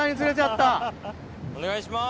お願いします。